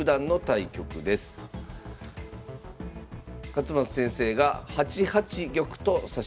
勝又先生が８八玉と指しました。